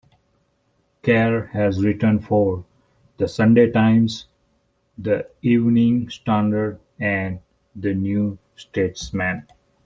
Kerr has written for "The Sunday Times", the "Evening Standard" and the "New Statesman".